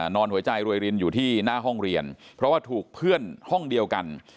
นอนหัวใจรวยรินอยู่ที่หน้าห้องเรียนเพราะว่าถูกเพื่อนห้องเดียวกัน